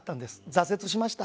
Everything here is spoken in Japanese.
挫折しました。